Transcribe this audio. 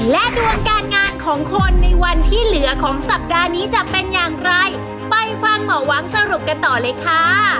และดวงการงานของคนในวันที่เหลือของสัปดาห์นี้จะเป็นอย่างไรไปฟังหมอวังสรุปกันต่อเลยค่ะ